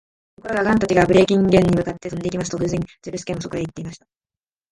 ところが、ガンたちがブレーキンゲに向かって飛んでいきますと、偶然、ズルスケもそこへいっていました。